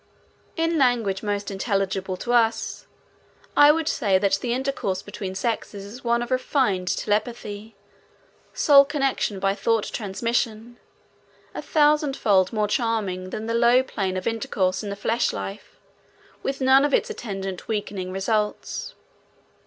In language most intelligible to us, I would say that the intercourse between sexes is one of refined telepathy, soul connection by thought transmission, a thousand fold more charming than the low plane of intercourse in the flesh life, with none of its attendant weakening results.